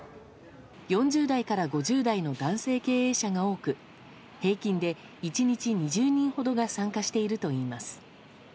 ４０代から５０代の男性経営者が多く平均で１日２０人ほどが参加しているといいます。